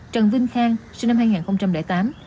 trần vinh khang sinh năm hai nghìn tám